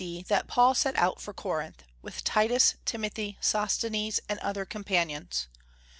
D. that Paul set out for Corinth, with Titus, Timothy, Sosthenes, and other companions.